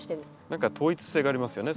何か統一性がありますよね